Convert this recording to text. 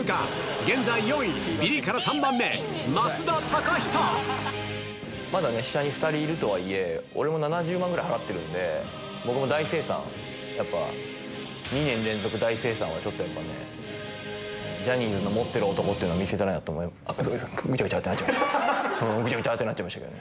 現在４位、ビリから３番目、まだね、下に２人いるとはいえ、俺も７０万ぐらい払ってるんで、僕も大精算を、やっぱ２年連続大精算は、ちょっとやっぱね、ジャニーズの持ってる男というのを見せ、ぐちゃぐちゃってなっちゃった、ぐちゃぐちゃってなっちゃましたけどね。